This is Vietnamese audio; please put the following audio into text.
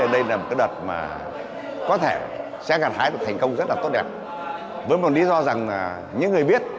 đây là một đợt mà có thể sẽ gặt hái được thành công rất là tốt đẹp với một lý do rằng những người viết